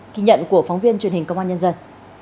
kỳ nhận của phóng viên truyền hình công an nhân dân